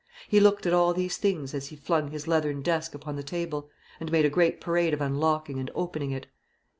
He looked at all these things as he flung his leathern desk upon the table, and made a great parade of unlocking and opening it.